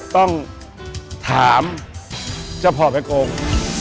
ต้องถามจะพอไปโกง